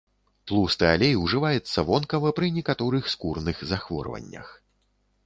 Тлусты алей ўжываецца вонкава пры некаторых скурных захворваннях.